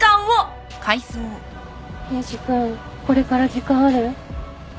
エイジ君これから時間ある？